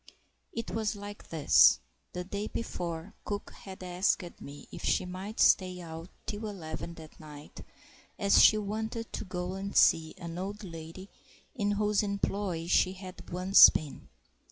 It was like this: the day before, cook had asked me if she might stay out till eleven that night, as she wanted to go and see an old lady in whose employ she had once been.